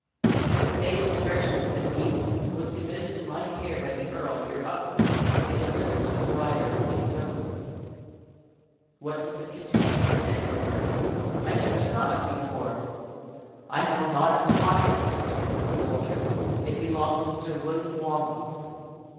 "This fatal treasure," said he, "was committed to my care by the earl, your uncle, to deliver to the prior of St. Fillan's." "What does it contain?" demanded Murray; "I never saw it before." "I know not its contents," returned the soldier; "it belongs to Sir William Wallace."